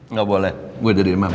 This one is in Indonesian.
nggak boleh gue jadi imam